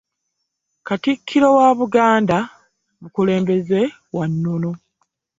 Katikkiro wa Buganda mukulembeze wa nnono.